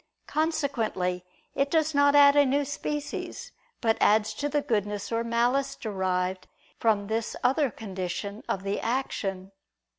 Consequently it does not add a new species, but adds to the goodness or malice derived from this other condition of the action.